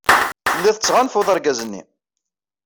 Telliḍ tettɣanfuḍ argaz-nni.